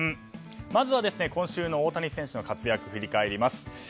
まず、今週の大谷選手の活躍を振り返ります。